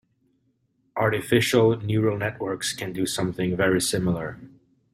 Artificial neural networks can do something very similar.